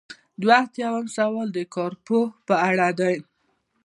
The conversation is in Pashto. دوه ایاتیام سوال د کارپوه په اړه دی.